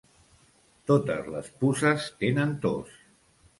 Totes les puces tenen tos.